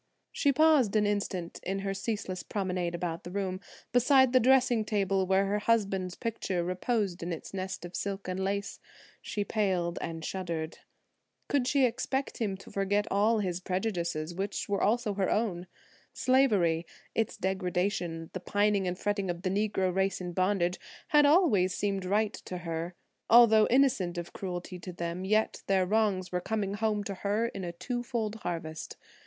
She paused an instant, in her ceaseless promenade about the room, beside the dressing table where her husband's picture reposed in its nest of silk and lace; she paled and shuddered. Could she expect him to forget all his prejudices, which were also her own? Slavery–its degradation, the pining and fretting of the Negro race in bondage–had always seemed right to her. Although innocent of cruelty to them, yet their wrongs were coming home to her in a two fold harvest.